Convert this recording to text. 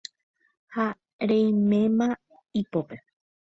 ha reiméma ipópe